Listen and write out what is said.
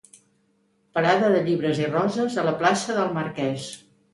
Parada de llibres i roses a la plaça del Marquès.